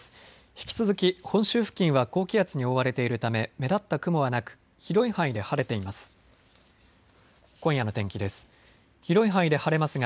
引き続き本州付近は高気圧に覆われているため目立った雲はなく広い範囲で晴れています。